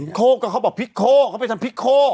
พิโก้ก็เขาบอกพิโก้เขาไปทำพิโก้